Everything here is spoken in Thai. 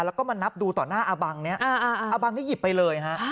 แล้วก็มานับดูต่อหน้าอาบังเนี่ยอาบังนี่หยิบไปเลยฮะ